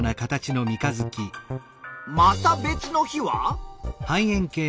また別の日は？